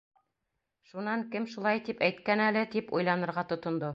Шунан кем шулай тип әйткән әле, тип уйланырға тотондо.